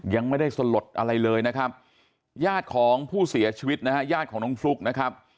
ยังไม่ได้สลดอะไรเลยนะครับญาติของผู้เสียชีวิตนะฮะญาติของน้องฟลุ๊กนะครับ